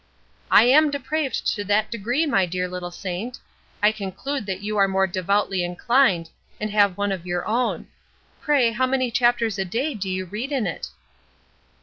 "I am depraved to that degree, my dear little saint. I conclude that you are more devoutly inclined, and have one of your own. Pray how many chapters a day do you read in it?"